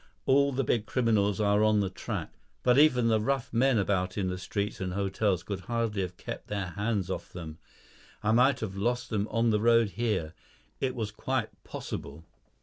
All the big criminals are on the track; but even the rough men about in the streets and hotels could hardly have kept their hands off them. I might have lost them on the road here. It was quite possible."